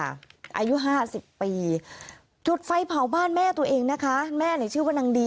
อายุห้าสิบปีจุดไฟเผาบ้านแม่ตัวเองนะคะแม่เนี่ยชื่อว่านางดี